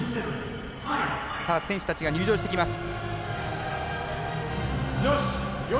選手たちが入場してきます。